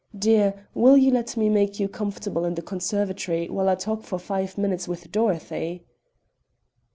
Dear, will you let me make you comfortable in the conservatory while I talk for five minutes with Dorothy?"